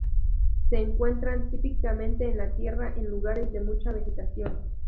Se encuentran típicamente en la tierra en lugares de mucha vegetación.